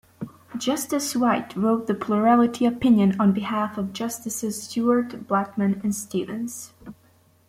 Justice White wrote the plurality opinion, on behalf of Justices Stewart, Blackmun, and Stevens.